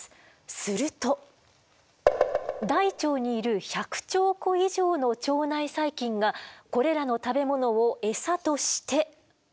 すると大腸にいる１００兆個以上の腸内細菌がこれらの食べ物をエサとして。